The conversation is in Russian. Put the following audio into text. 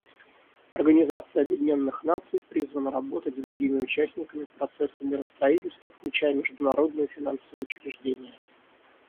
Организация Объединенных Наций призвана работать с другими участниками процесса миростроительства, включая международные финансовые учреждения.